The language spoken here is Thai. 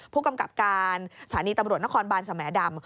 ผู้กำกับการสถานีตำรวจนครบานสมดำ